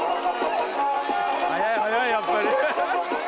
速い速いやっぱり。